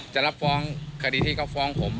จะรับฟ้องคดีที่เขาฟ้องผม